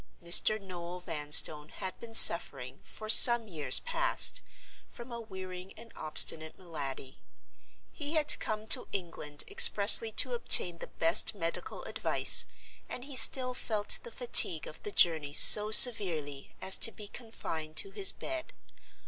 Mr. Noel Vanstone had been suffering, for some years past, from a wearing and obstinate malady; he had come to England expressly to obtain the best medical advice, and he still felt the fatigue of the journey so severely as to be confined to his bed.